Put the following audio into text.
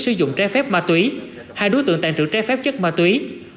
sử dụng trái phép ma túy hai đối tượng tạng trưởng trái phép chất ma túy